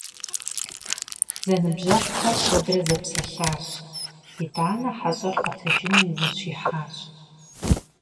Зэныбжьэгъухэр куэдрэ зэпсэлъащ, итӀанэ хьэщӀэр къэтэджыну и ужь ихьащ.